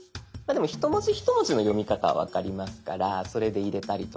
一文字一文字の読み方分かりますからそれで入れたりとか。